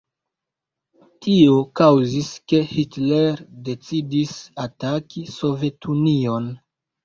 Tio kaŭzis ke Hitler decidis ataki Sovetunion.